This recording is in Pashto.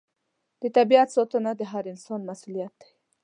د طبیعت ساتنه د هر انسان مسوولیت دی.